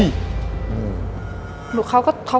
ดิงกระพวน